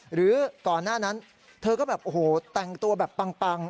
หรือก่อนหน้านั้นเธอก็แบบโอ้โหแต่งตัวแบบปัง